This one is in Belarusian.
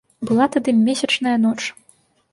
Была тады месячная ноч.